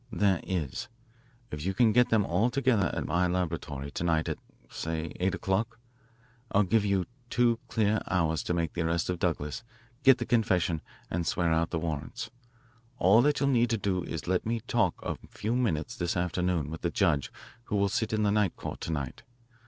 "There is. If you can get them all together at my laboratory to night at, say, eight o'clock, I'll give you two clear hours to make the arrest of Douglas, get the confession, and swear out the warrants. All that you'll need to do is to let me talk a few minutes this afternoon with the judge who will sit in the night court to night.